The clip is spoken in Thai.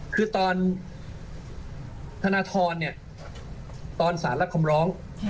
คือตอนธนทรเนี่ยตอนสารรับคำร้อง